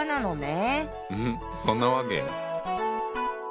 うんそんなわけ！